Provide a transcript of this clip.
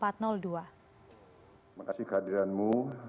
terima kasih kehadiranmu